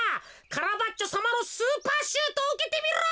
カラバッチョさまのスーパーシュートをうけてみろ！